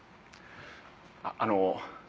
あっあの。